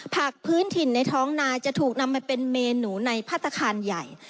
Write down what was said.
ผักพื้นถิ่นในท้องนาจะถูกนำมาเป็นเมนูในพัฒนาคารใหญ่